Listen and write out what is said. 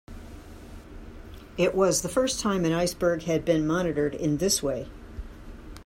It was the first time an iceberg had been monitored in this way.